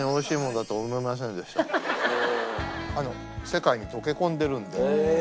世界に溶け込んでるので。